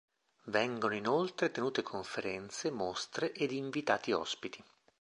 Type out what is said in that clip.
Vengono inoltre tenute conferenze, mostre ed invitati ospiti.